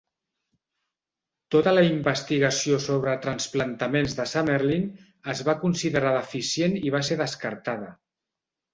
Tota la investigació sobre transplantaments de Summerlin es va considerar deficient i va ser descartada.